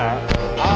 ああ！